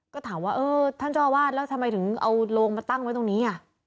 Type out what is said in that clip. ก็ถามว่าเออท่านเจ้าอาวาสแล้วทำไมถึงเอาโลงมาตั้งไว้ตรงนี้